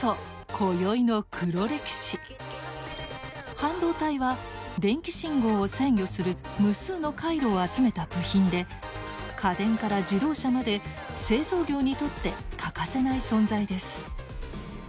半導体は電気信号を制御する無数の回路を集めた部品で家電から自動車まで製造業にとって欠かせない存在です。